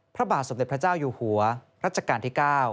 พระบาทสมเด็จพระเจ้าอยู่หัวรัชกาลที่๙